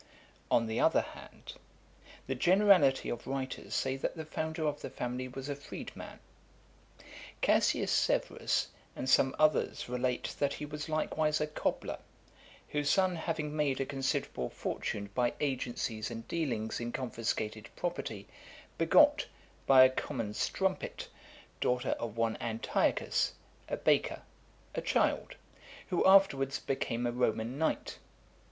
On the other hand, the generality of writers say that the founder of the family was a freedman. Cassius Severus and some others relate that he was likewise a cobbler, whose son having made a considerable fortune by agencies and dealings in confiscated property, begot, by a common strumpet, daughter of one Antiochus, a baker, a child, who afterwards became a Roman knight.